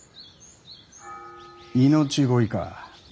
命乞いか。